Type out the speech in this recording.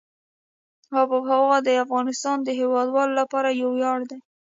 آب وهوا د افغانستان د هیوادوالو لپاره یو ویاړ دی.